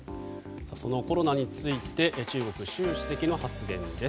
そのコロナについて中国、習主席の発言です。